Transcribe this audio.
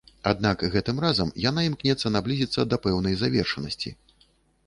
Аднак гэтым разам яна імкнецца наблізіцца да пэўнай завершанасці.